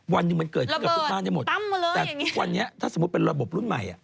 วันหนึ่งมันเกิดขึ้นกับทุกบ้านได้หมดแต่ทุกวันนี้ถ้าสมมุติเป็นระบบรุ่นใหม่อ่ะ